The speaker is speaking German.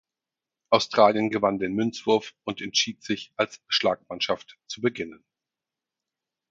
Australien gewann den Münzwurf und entschied sich als Schlagmannschaft zu beginnen.